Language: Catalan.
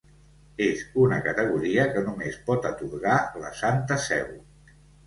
És una categoria que només pot atorgar la Santa Seu.